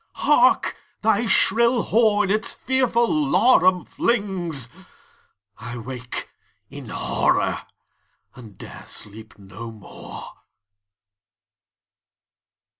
Hark, thy shrill horn its fearful laram flings! —I wake in horror, and 'dare sleep no more!